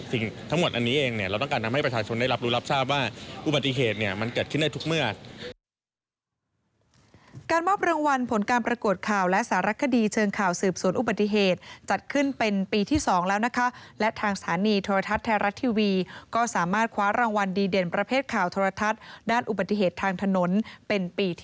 ทั้งหมดอันนี้เองเนี่ยเราต้องการทำให้ประชาชนได้รับรู้รับทราบว่าอุบัติเหตุเนี่ยมันเกิดขึ้นได้ทุกเมื่อ